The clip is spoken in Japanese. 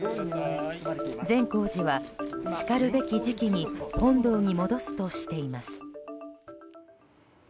善光寺は、しかるべき時期に本堂に戻すとしています。